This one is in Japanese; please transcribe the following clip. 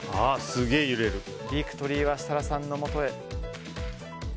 ビクトリーは設楽さんのもとへ。